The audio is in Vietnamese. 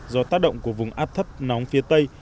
do tác động của vùng áp thấp nóng phía tây